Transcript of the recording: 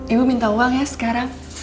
ibu minta uang ya sekarang